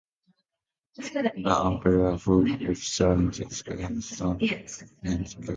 The umpire, who officiates the game, stands behind the catcher.